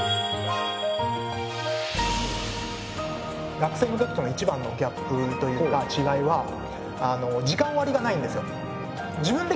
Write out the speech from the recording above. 学生の時との一番のギャップというか違いは時間割がないんですよ。